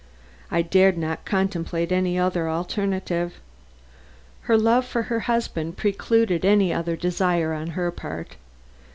I dared not contemplate any other alternative. Her love for her husband precluded any other desire on her part.